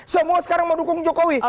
semua sekarang mau dukung jokowi